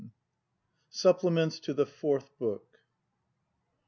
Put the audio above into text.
SUPPLEMENTS TO THE FOURTH BOOK.